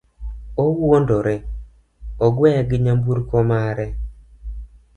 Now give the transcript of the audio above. owuondore, ogweya gi nyamburko mare